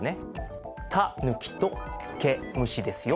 「たぬき」と「けむし」ですよ。